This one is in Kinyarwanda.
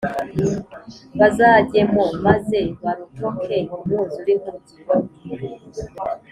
Bazajyemo maze barokoke umwuzure inkuge